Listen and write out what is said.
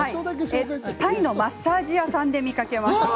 タイのマッサージ屋さんで見かけました。